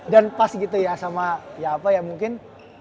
dan pas gitu ya sama ya apa ya mungkin